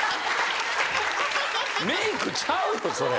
メイクちゃうぞそれ。